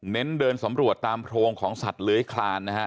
เดินสำรวจตามโพรงของสัตว์เลื้อยคลานนะฮะ